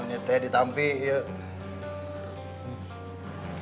maunya teh ditampil